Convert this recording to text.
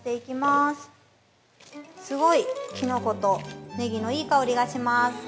すごい、きのことネギのいい香りがします。